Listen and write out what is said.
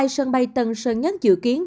sân bay tân sơn nhất dự kiến